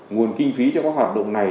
nguồn kinh phí cho các hoạt động này